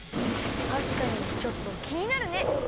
たしかにちょっときになるね！